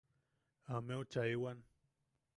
Ameu chaaewan.